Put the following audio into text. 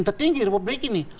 tertinggi republik ini